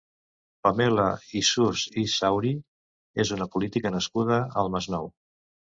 Pamela Isús i Saurí és una política nascuda al Masnou.